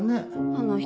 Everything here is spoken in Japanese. あの人